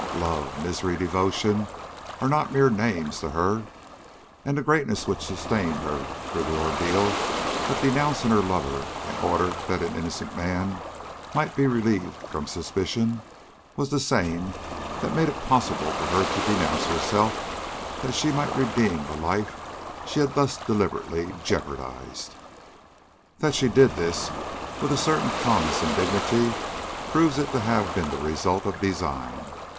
Love, misery, devotion are not mere names to her, and the greatness which sustained her through the ordeal of denouncing her lover in order that an innocent man might be relieved from suspicion, was the same that made it possible for her to denounce herself that she might redeem the life she had thus deliberately jeopardized. "That she did this with a certain calmness and dignity proves it to have been the result of design.